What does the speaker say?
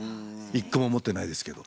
一個も持ってないですけど。